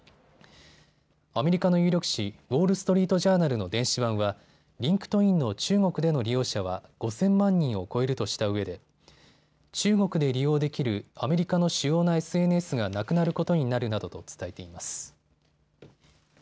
アメリカの有力紙、ウォール・ストリート・ジャーナルの電子版はリンクトインの中国での利用者は５０００万人を超えるとしたうえで中国で利用できるアメリカの主要なＳＮＳがなくなることになるなどと伝えています。